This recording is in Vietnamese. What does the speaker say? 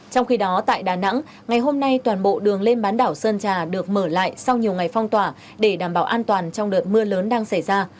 trong khi đó tại đà nẵng ngày hôm nay toàn bộ đường lên bán đảo sơn trà được mở lại sau nhiều ngày phong tỏa để đảm bảo an toàn trong đợt mưa lớn đang xảy ra